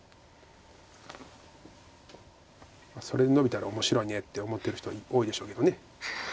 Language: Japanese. それにノビたら面白いねって思ってる人多いでしょうけど。